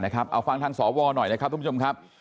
เอาฟังทางสวหน่อยนะครับทุกผู้ชมครับ